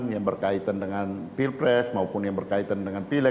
yang berkaitan dengan pilpres maupun yang berkaitan dengan pileg